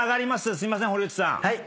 すいません堀内さん。